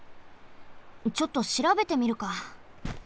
ちょっとしらべてみるか。